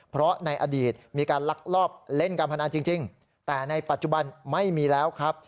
เพราะในอดีตมีการลักลอบเล่นการพนันจริงแต่ในปัจจุบันไม่มีแล้วครับ